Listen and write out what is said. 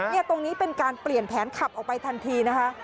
นี่ตรงนี้เป็นการเปลี่ยนแผนขับออกไปทันทีนะคะ